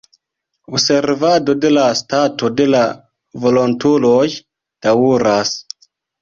Observado de la stato de la volontuloj daŭras.